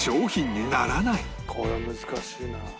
これは難しいな。